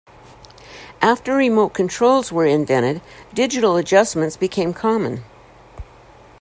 After remote controls were invented, digital adjustments became common.